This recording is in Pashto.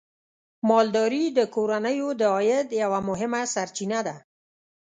مالداري د کورنیو د عاید یوه مهمه سرچینه ده.